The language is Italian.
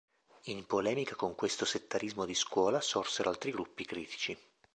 In polemica con questo settarismo di scuola sorsero altri gruppi critici.